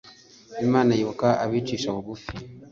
Imana yibuka abicisha bugufi